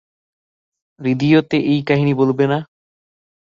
রেডিওতে এই কাহিনী বলবে না?